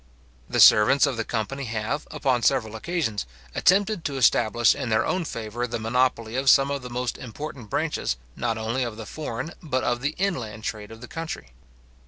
The servants of the company have, upon several occasions, attempted to establish in their own favour the monopoly of some of the most important branches, not only of the foreign, but of the inland trade of the country.